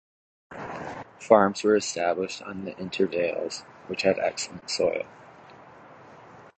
Farms were established on the intervales, which had excellent soil.